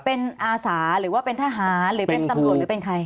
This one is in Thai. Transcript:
เป็นอาสาหรือว่าเป็นทหารหรือเป็นตำรวจหรือเป็นใคร